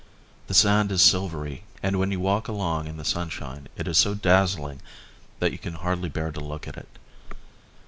The sand is silvery and when you walk along in the sunshine it is so dazzling that you can hardly bear to look at it.